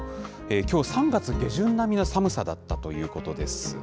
きょう、３月下旬並みの寒さだったということです。